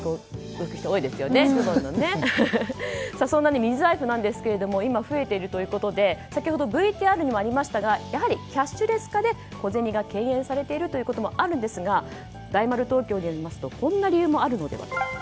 そんなミニ財布なんですが今、増えているということで先ほどＶＴＲにもありましたがキャッシュレス化で小銭が敬遠されているということもあるんですが大丸東京によりますとこんな理由もあるのではと。